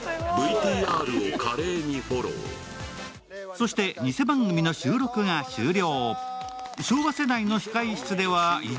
そして、偽番組の収録が終了。